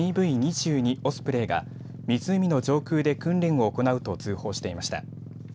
オスプレイが湖の上空で訓練を行うと通報していました。